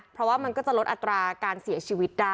เพราะว่ามันก็จะลดอัตราการเสียชีวิตได้